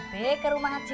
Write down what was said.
oh babeh ke rumah haji murad